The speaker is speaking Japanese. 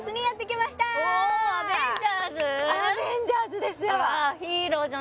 アベンジャーズですよわあ！